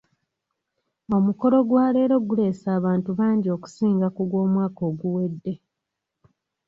Omukolo gwa leero guleese abantu bangi okusinga ku gw'omwaka oguwedde.